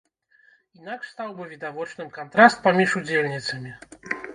Інакш стаў бы відавочным кантраст паміж удзельніцамі.